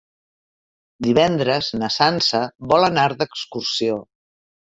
Divendres na Sança vol anar d'excursió.